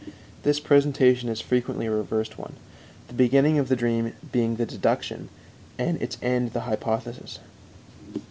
This presentation is frequently a reversed one, the beginning of the dream being the deduction, and its end the hypothesis.